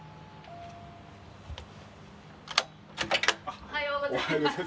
おはようございます。